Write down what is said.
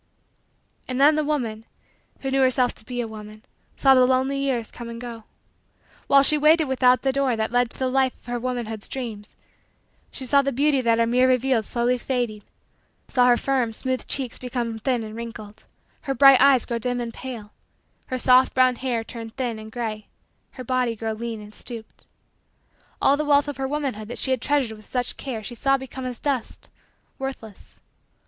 And then the woman, who knew herself to be a woman, saw the lonely years come and go. While she waited without the door that led to the life of her womanhood's dreams, she saw the beauty that her mirror revealed slowly fading saw her firm, smooth, cheeks become thin and wrinkled, her bright eyes grow dim and pale, her soft, brown, hair turn thin and gray, her body grow lean and stooped. All the wealth of her womanhood that she had treasured with such care she saw become as dust, worthless.